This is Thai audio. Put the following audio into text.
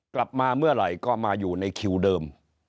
กลับมาเมื่อไหร่ก็มาอยู่ในคิวเดิม